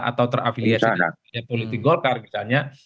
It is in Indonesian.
atau terafiliasi dengan politik golkar misalnya